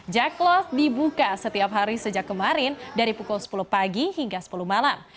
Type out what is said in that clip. jack clove dibuka setiap hari sejak kemarin dari pukul sepuluh pagi hingga sepuluh malam